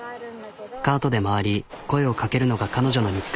カートで回り声をかけるのが彼女の日課。